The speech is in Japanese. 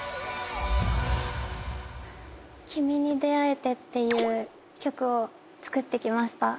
『君に出逢えて』っていう曲を作ってきました。